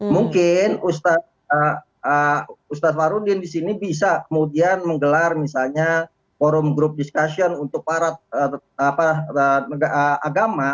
mungkin ustadz farudin di sini bisa kemudian menggelar misalnya forum group discussion untuk para agama